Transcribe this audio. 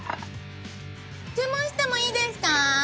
注文してもいいですか？